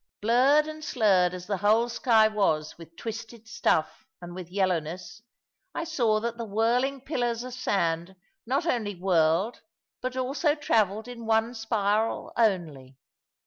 Blurred and slurred as the whole sky was with twisted stuff and with yellowness, I saw that the whirling pillars of sand not only whirled but also travelled in one spiral only.